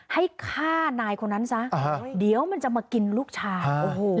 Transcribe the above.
ให้ฆ่านายคนนั้นซะเดี๋ยวมันจะมากินลูกชายโอ้โห